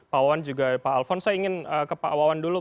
pak wan juga pak alphon saya ingin ke pak awan dulu